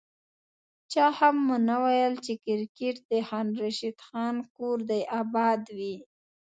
چا هم ونه ویل چي کرکیټ د خان راشد خان کور دي اباد وي